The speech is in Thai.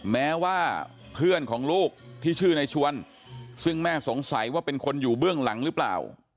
แม้ว่าเพื่อนของลูกที่ชื่อในชวนซึ่งแม่สงสัยว่าเป็นคนอยู่เบื้องหลังหรือเปล่า